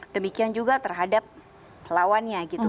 demikian juga terhadap lawannya gitu